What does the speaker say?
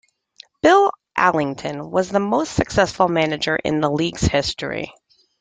Bill Allington was the most successful manager in the league's history.